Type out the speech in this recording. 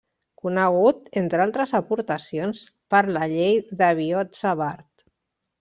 Conegut, entre altres aportacions, per la Llei de Biot-Savart.